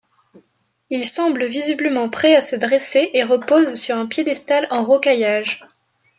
Il semble visiblement prêt à se dresser et repose sur un piédestal en rocaillage.